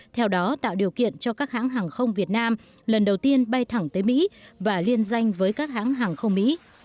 theo đó tạo điều kiện cho các hãng hàng không việt nam lần đầu tiên bay thẳng tới mỹ và liên danh với các hãng hàng không mỹ